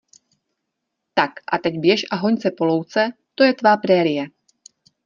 Tak, a teď běž a hoň se po louce, to je tvá prérie.